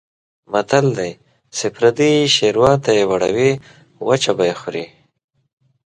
متل دی: چې پردۍ شوروا ته یې وړوې وچه به یې خورې.